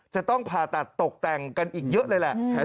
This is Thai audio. จะต้องผ่าตัดตกแต่งกันอีกเยอะเลยแหละ